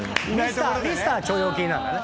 ミスター腸腰筋なんだね。